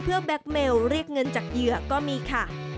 เพื่อแบ็คเมลเรียกเงินจากเหยื่อก็มีค่ะ